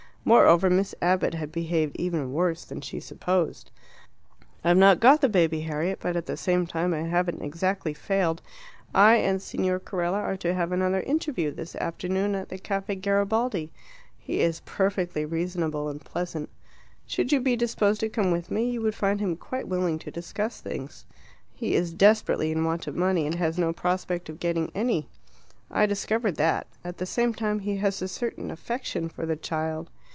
Moreover, Miss Abbott had behaved even worse than she supposed. "I've not got the baby, Harriet, but at the same time I haven't exactly failed. I and Signor Carella are to have another interview this afternoon, at the Caffe Garibaldi. He is perfectly reasonable and pleasant. Should you be disposed to come with me, you would find him quite willing to discuss things. He is desperately in want of money, and has no prospect of getting any. I discovered that. At the same time, he has a certain affection for the child."